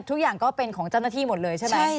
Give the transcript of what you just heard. ทุกอย่างก็เป็นของเจ้าหน้าที่หมดเลยใช่ไหม